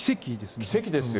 奇跡ですよ。